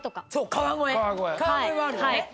川越はあるよね？